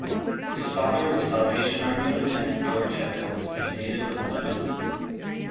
His father was Salvation Army Lieutenant George Evens, a native of Plymouth.